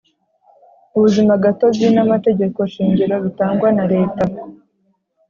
Ubuzima gatozi n’ amategeko shingiro bitangwa na leta.